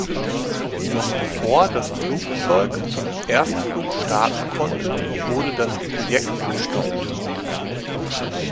Noch bevor das Flugzeug zum Erstflug starten konnte, wurde das Projekt gestoppt.